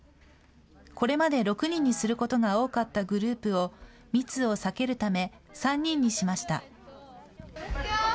これまで６人にすることが多かったグループを密を避けるため、３人にしました。